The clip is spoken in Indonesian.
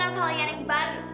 guru senam kalian yang bak